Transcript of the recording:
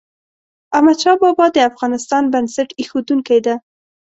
احمد شاه بابا د افغانستان بنسټ ایښودونکی ده.